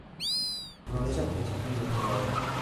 Florece a principios de primavera.